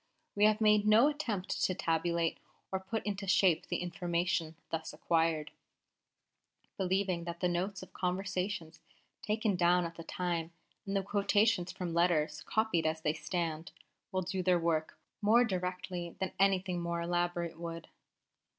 We have made no attempt to tabulate or put into shape the information thus acquired, believing that the notes of conversations taken down at the time, and the quotations from letters copied as they stand, will do their work more directly than anything more elaborate would.